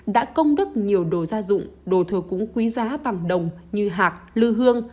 đã công đức nhiều đồ gia dụng đồ thừa cũng quý giá bằng đồng như hạc lư hương